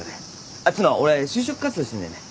あっつうのは俺就職活動してんだよね。